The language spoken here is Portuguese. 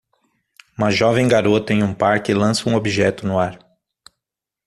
Uma jovem garota em um parque lança um objeto no ar.